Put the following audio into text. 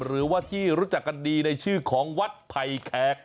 หรือว่าที่รู้จักกันดีในชื่อของวัดไผ่แขก